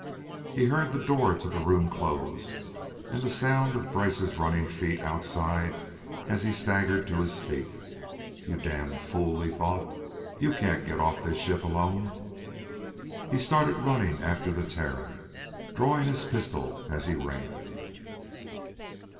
He heard the door to the room close and the sound of Brice's running feet outside as he staggered to his feet. You damned fool, he thought. You can't get off this ship alone! He started running after the Terran, drawing his pistol as he ran...